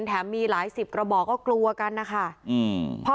แถมมีหลายสิบกระบอกก็กลัวกันนะคะอืม